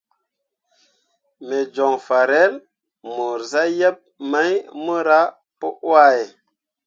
Me joŋ farel mor zah yeb mai mora pǝ wahe.